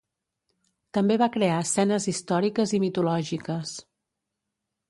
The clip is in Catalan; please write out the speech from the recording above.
També va crear escenes històriques i mitològiques.